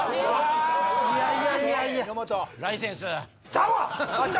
いやいやいやいや。